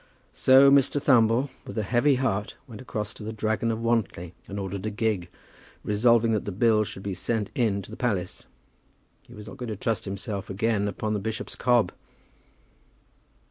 So Mr. Thumble, with a heavy heart, went across to "The Dragon of Wantly," and ordered a gig, resolving that the bill should be sent in to the palace. He was not going to trust himself again upon the bishop's cob!